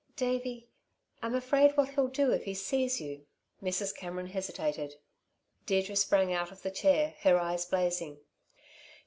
"Davey I'm afraid what he'll do if he sees you...." Mrs. Cameron hesitated. Deirdre sprang out of the chair, her eyes blazing.